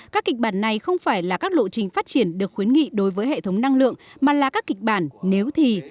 các kịch bản này không phải là các lộ trình phát triển được khuyến nghị đối với hệ thống năng lượng mà là các kịch bản nếu thì